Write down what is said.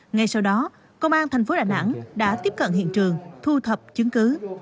ngay sau đó công an tp đà nẵng đã tiếp cận hiện trường thu thập chứng cứ